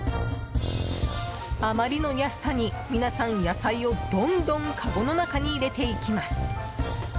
あまりの安さに、皆さん野菜をどんどんかごの中に入れていきます。